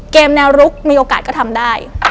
แนวรุกมีโอกาสก็ทำได้